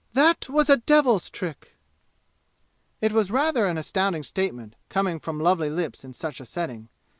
"That was a devil's trick!" It was rather an astounding statement, coming from lovely lips in such a setting.